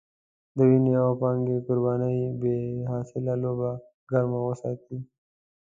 د وينې او پانګې قربانۍ بې حاصله لوبه ګرمه وساتي.